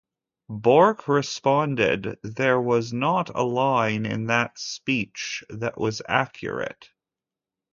Bork responded, There was not a line in that speech that was accurate.